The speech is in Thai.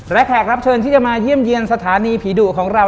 และแขกรับเชิญที่จะมาเยี่ยมเยี่ยมสถานีผีดุของเรา